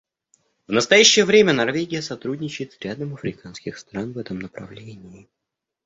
В настоящее время Норвегия сотрудничает с рядом африканских стран в этом направлении.